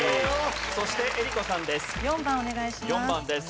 そして江里子さんです。